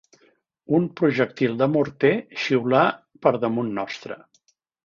Un projectil de morter xiulà per damunt nostre